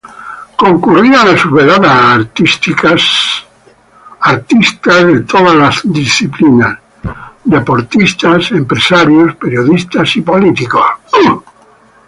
Concurrían a sus veladas artistas de todas las disciplinas, deportistas, empresarios, periodistas, políticos.